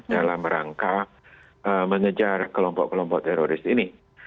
dalam rangka mengejar kelompok kelompok teroris ini